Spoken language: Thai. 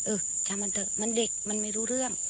เออทำมันเถอะมันเด็กมันไม่รู้เรื่อง